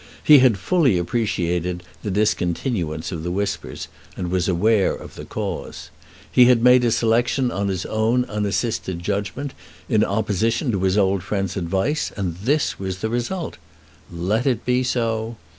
He had fully appreciated the discontinuance of the whispers, and was aware of the cause. He had made a selection on his own unassisted judgment in opposition to his old friend's advice, and this was the result. Let it be so!